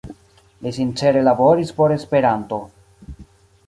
Li sincere laboris por Esperanto.